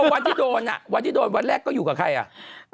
เว้าวันที่โดนวันแรกก็อยู่กับใครอะ